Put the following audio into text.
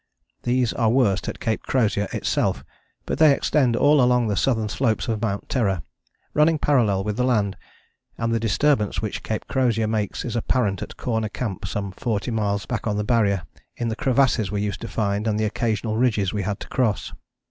These are worst at Cape Crozier itself, but they extend all along the southern slopes of Mount Terror, running parallel with the land, and the disturbance which Cape Crozier makes is apparent at Corner Camp some forty miles back on the Barrier in the crevasses we used to find and the occasional ridges we had to cross.